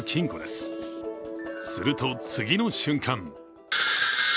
すると、次の瞬間